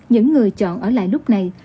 những người chọn ở lại lúc này